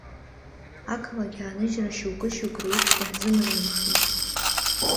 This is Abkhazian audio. Ақалақь ааныжьра шьоукы-шьоукы реиԥш иаҳзымариамхеит…